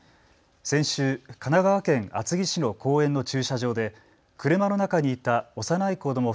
先週、神奈川県厚木市の公園の駐車場で車の中にいた幼い子ども